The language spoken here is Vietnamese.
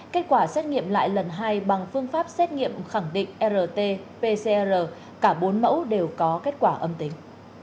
kết quả xét nghiệm lại lần hai bằng phương pháp xét nghiệm khẳng định rt pcr cả bốn mẫu đều có kết quả âm tính